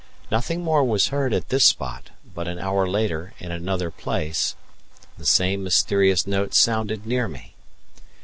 Nothing more was heard at this spot, but an hour later, in another place, the same mysterious note sounded near me.